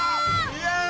イエイ！